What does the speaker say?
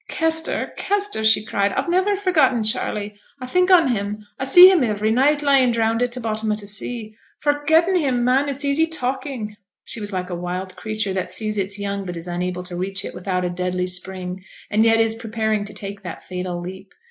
'Kester, Kester,' she cried, 'I've niver forgotten Charley; I think on him, I see him ivery night lying drowned at t' bottom o' t' sea. Forgetten him! Man! it's easy talking!' She was like a wild creature that sees its young, but is unable to reach it without a deadly spring, and yet is preparing to take that fatal leap.